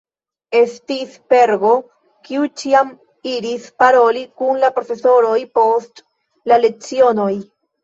Estis Pergo, kiu ĉiam iris paroli kun la profesoroj post la lecionoj.